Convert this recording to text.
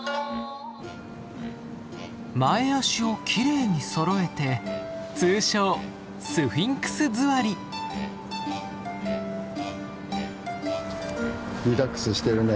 前足をきれいにそろえて通称リラックスしてるね。